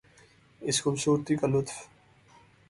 اس خوبصورتی کا لطف